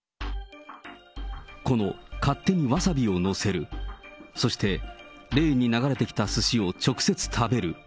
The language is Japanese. この勝手にわさびを乗せる、そして、レーンに流れてきたすしを直接食べる。